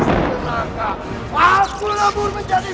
aku lembur menjadi